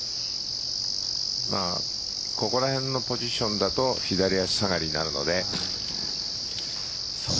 ここらへんのポジションだと左足下がりになるので。